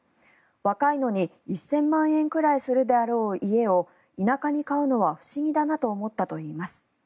若いのに１０００万円くらいするであろう家を田舎に買うのは不思議だなと思ったといいます。